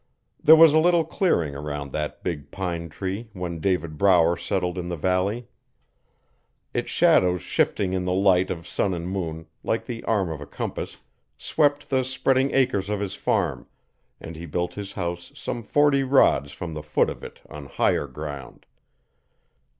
There was a little clearing around that big pine tree when David Brower settled in the valley. Its shadows shifting in the light of sun and moon, like the arm of a compass, swept the spreading acres of his farm, and he built his house some forty rods from the foot of it on higher ground.